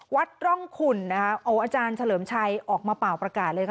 วัดร่องขุนนะคะโอ้อาจารย์เฉลิมชัยออกมาเป่าประกาศเลยค่ะ